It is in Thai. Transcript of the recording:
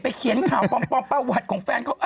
ไปเขียนข่าวประวัติของแฟนเขา